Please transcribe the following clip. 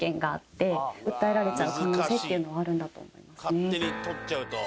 勝手に取っちゃうと。